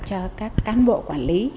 cho các cán bộ quản lý